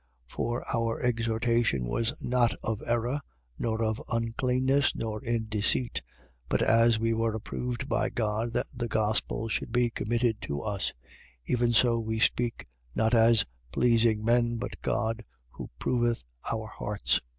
2:3. For our exhortation was not of error, nor of uncleanness, nor in deceit. 2:4. But as we were approved by God that the gospel should be committed to us: even so we speak, not as pleasing men but God, who proveth our hearts.